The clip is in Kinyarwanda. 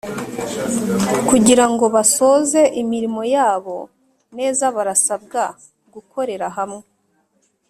kugira ngo basoze imirimo yabo neza barasabwa gukorera hamwe